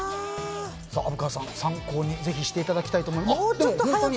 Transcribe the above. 虻川さん、参考にぜひしていただきたいと思います。